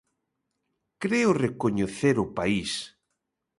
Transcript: Creo recoñecer o País.